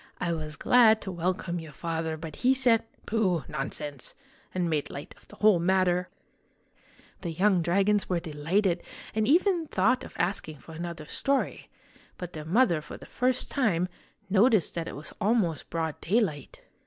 I was glad to welcome your father ; but he said, ' Pooh ! nonsense !' and made light of the whole matter !" The young dragons were delighted, and even thought of ask ing for another story ; but their mother, for the first time, noticed that it was almost broad daylight.